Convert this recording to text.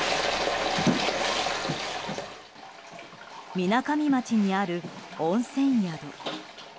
みなかみ町にある温泉宿。